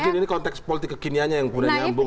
mungkin ini konteks politik kekiniannya yang boleh nyambung